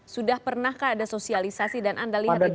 sudah pernahkah ada sosialisasi dan anda lihat itu terjadi